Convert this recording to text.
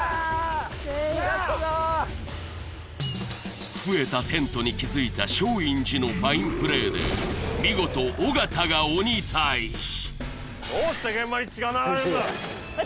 ・全員やったぞ増えたテントに気づいた松陰寺のファインプレーで見事尾形が鬼タイジどうして現場に血が流れるんだ私